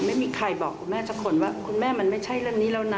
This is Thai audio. ไม่มีใครบอกคุณแม่สักคนว่าคุณแม่มันไม่ใช่เรื่องนี้แล้วนะ